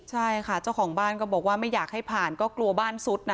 ใช่ค่ะเจ้าของบ้านก็บอกว่าไม่อยากให้ผ่านก็กลัวบ้านซุดนะ